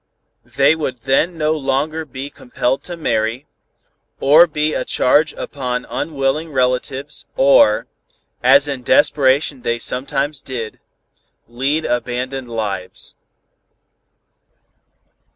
They would then no longer be compelled to marry, or be a charge upon unwilling relatives or, as in desperation they sometimes did, lead abandoned lives.